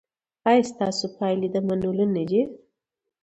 ایا ستاسو پایلې د منلو نه دي؟